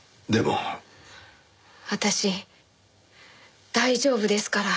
私大丈夫ですから。